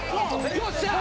よっしゃー！